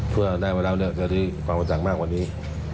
เพื่อได้เวลาเจอที่ความประสาทมากกว่านี้